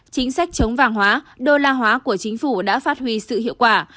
chính sách chống vàng hóa đô la hóa của chính phủ đã phát huy sự hiệu quả